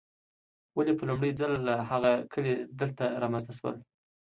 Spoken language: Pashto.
ولې په لومړي ځل هغه کلي دلته رامنځته شول.